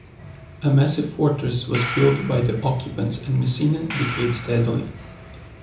A massive fortress was built by the occupants and Messina decayed steadily.